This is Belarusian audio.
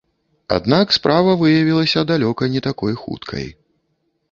Аднак справа выявілася далёка не такой хуткай.